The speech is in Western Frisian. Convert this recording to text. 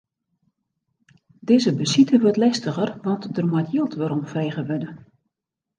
Dizze besite wurdt lestiger, want der moat jild weromfrege wurde.